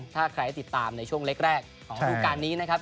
ถ้าใครได้ติดตามในช่วงเล็กแรกของดูการนี้นะครับ